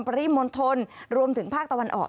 ริมณฑลรวมถึงภาคตะวันออก